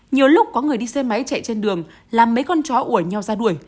nhiều lúc có người đi xe máy chạy trên đường làm mấy con chó ủa nhau ra đuổi